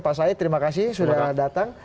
pak said terima kasih sudah datang